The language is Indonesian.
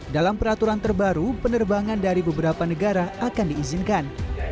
dalam peraturan terbaru penerbangan dari beberapa negara akan diizinkan